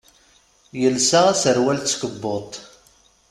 Yelsa aserwal d tkebbuḍt.